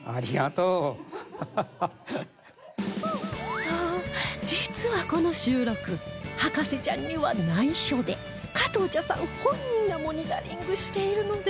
そう実はこの収録博士ちゃんには内緒で加藤茶さん本人がモニタリングしているのです